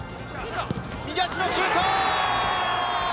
右足のシュート！